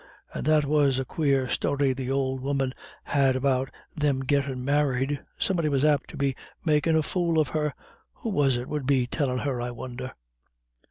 And that was a quare story the ould woman had about thim gettin' married. Somebody was apt to be makin' a fool of her. Who was it would be tellin' her I won'er?"